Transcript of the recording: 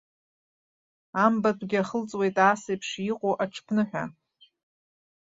Амбатәгьы ахыҵуеит асеиԥш иҟоу аҽԥныҳәа.